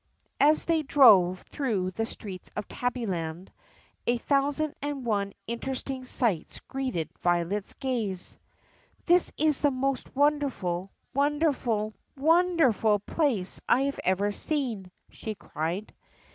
A S they drove through the streets of Tabbyland a thousand and one interesting sights greeted Violet's gaze. "This is the most wonderful, wonderful , WONDERFUL place I have ever seen!" she cried.